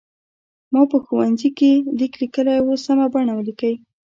ما په ښوونځي کې لیک لیکلی و سمه بڼه ولیکئ.